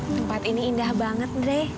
tempat ini indah banget